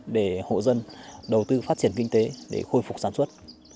để hộ dân đầu tư phát triển kinh tế để khôi phục sản xuất